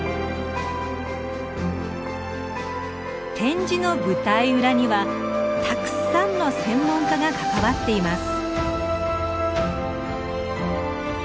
展示の舞台裏にはたくさんの専門家が関わっています。